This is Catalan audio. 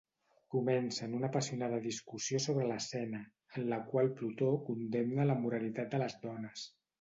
Comencen una apassionada discussió sobre l'escena, en la qual Plutó condemna la moralitat de les dones.